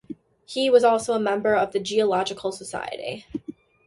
He was also a member of the Geological Society.